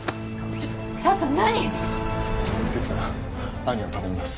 ちょっと何？